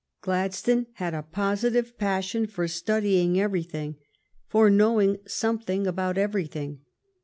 Gladstone had a positive passion for studying everything, for knowing something about everything.